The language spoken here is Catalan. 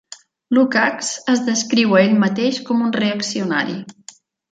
Lukacs es descriu a ell mateix com un reaccionari.